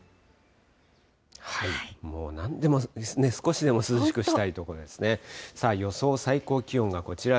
もうなんでもね、少しでも涼しくしたいところですね。